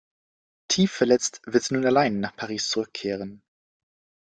Tief verletzt wird sie nun allein nach Paris zurückkehren.